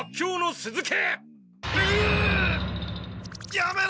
やめろ！